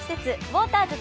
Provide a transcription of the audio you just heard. ウォーターズ